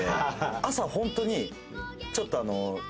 「朝ホントにちょっとあの」